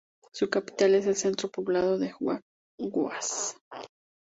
Su capital es el centro poblado de Huac-Huas.